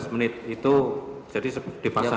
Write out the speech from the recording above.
lima belas menit itu jadi dipasang